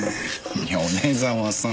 米沢さん。